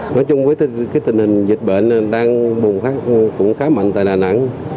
nói chung với tình hình dịch bệnh đang bùng phát cũng khá mạnh tại đà nẵng